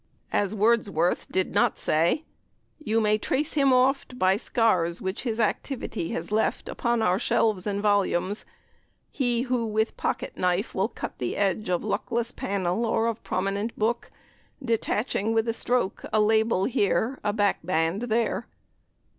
As Wordsworth did not say: "You may trace him oft By scars which his activity has left Upon our shelves and volumes. He who with pocket knife will cut the edge Of luckless panel or of prominent book, Detaching with a stroke a label here, a back band there."